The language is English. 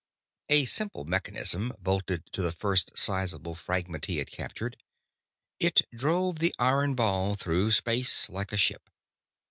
A simple mechanism, bolted to the first sizable fragment he had captured, it drove the iron ball through space like a ship.